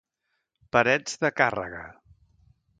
Parets de càrrega.